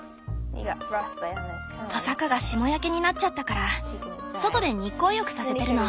トサカが霜焼けになっちゃったから外で日光浴させてるの。